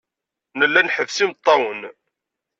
Nella nḥebbes imeṭṭawen.